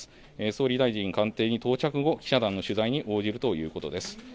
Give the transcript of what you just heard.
総理大臣官邸に到着後、記者団の取材に応じるということです。